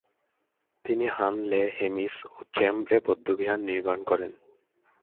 তিনি হানলে, হেমিস ও চেমরে বৌদ্ধবিহার নির্মাণ করেন।